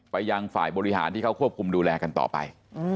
ยังฝ่ายบริหารที่เขาควบคุมดูแลกันต่อไป